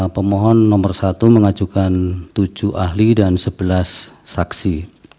pemohon nomor satu mengajukan tujuh ahli dan sebelas saksi